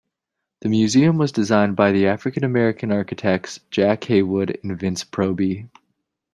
The museum was designed by the African-American architects Jack Haywood and Vince Proby.